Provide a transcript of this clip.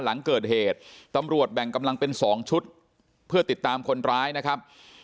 หลังเกิดเหตุตำรวจแบ่งกำลังเป็น๒ชุดเพื่อติดตามคนร้ายนะครับ